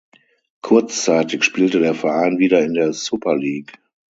Kurzzeitig spielte der Verein wieder in der Super League.